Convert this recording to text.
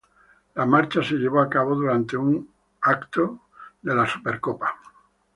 La marcha se llevó a cabo durante un evento del Super Bowl.